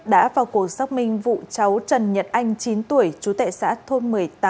đã vào cuộc xác minh vụ cháu trần nhật anh chín tuổi chú tệ xã thôn một mươi tám